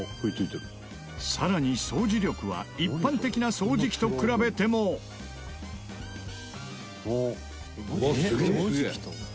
さらに掃除力は一般的な掃除機と比べても伊達：すげえ。